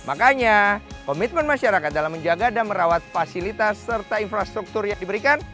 makanya komitmen masyarakat dalam menjaga dan merawat fasilitas serta infrastruktur yang diberikan